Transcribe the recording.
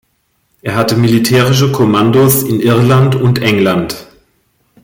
Er hatte militärische Kommandos in Irland und England.